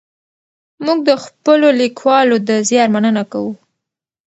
موږ د خپلو لیکوالو د زیار مننه کوو.